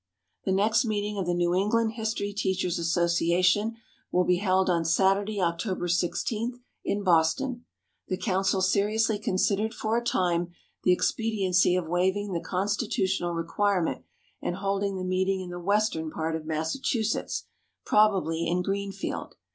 The next meeting of the New England History Teachers' Association will be held on Saturday, October 16, in Boston. The Council seriously considered for a time the expediency of waiving the constitutional requirement and holding the meeting in the western part of Massachusetts, probably in Greenfield.